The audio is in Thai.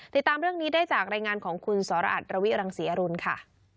ติดตามเรื่องนี้ได้จากรายงานของคุณสรอัตรวิรังศรีอรุณค่ะ